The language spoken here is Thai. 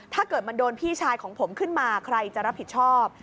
ถ้าเกิดมันโดนพี่ชายของผมขึ้นมาใครจะรับผิดชอบ